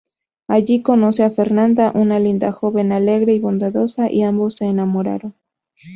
Allí conoce a Fernanda, una linda joven alegre y bondadosa, y ambos se enamoran.